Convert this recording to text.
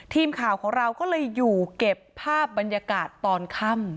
ทีมข่าวของเราก็เลยอยู่เก็บภาพบรรยากาศตอนค่ำ